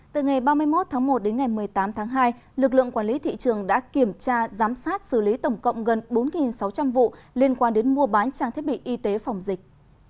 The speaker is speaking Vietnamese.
từ ngày ba mươi một tháng một đến ngày một mươi tám tháng hai lực lượng quản lý thị trường đã kiểm tra giám sát xử lý tổng cộng gần bốn sáu trăm linh vụ liên quan đến mua bán trang thiết bị y tế phòng dịch